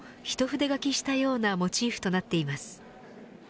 筆書きしたようなモチーフとなっています。